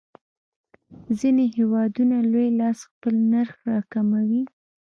ځینې وخت هېوادونه لوی لاس خپل نرخ راکموي.